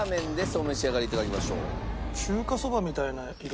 お召し上がり頂きましょう。